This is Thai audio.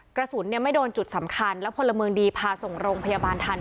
กระสุนไม่โดนจุดสำคัญแล้วพลเมืองดีพาส่งโรงพยาบาลทัน